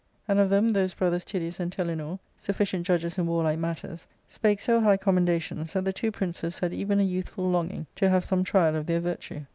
And of them those brothers Tydeus and Telenor, sufficient judges in warlike matters, spake so high commendations that the two princes had even a youthful longing to have some trial of their virtue.